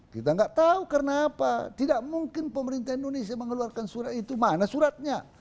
kita tidak tahu kenapa tidak mungkin pemerintah indonesia mengeluarkan surat itu mana suratnya